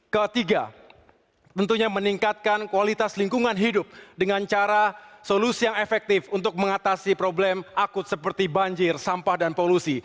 ketiga tentunya meningkatkan kualitas lingkungan hidup dengan cara solusi yang efektif untuk mengatasi problem akut seperti banjir sampah dan polusi